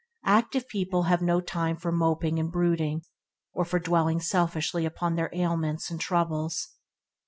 Active people have no time for moping and brooding, or for dwelling selfishly upon their ailments and troubles.